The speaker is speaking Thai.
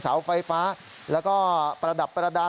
เสียงเสาไฟฟ้าแล้วก็ประดับปรดา